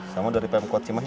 sama dari pmk cimahi